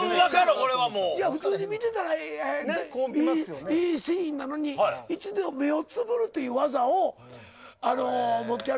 普通に見てたらいいシーンなのに一度、目をつぶるっていう技を持ってはる。